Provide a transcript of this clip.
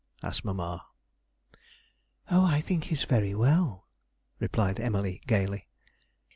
asked mamma. 'Oh, I think he's very well,' replied Emily gaily.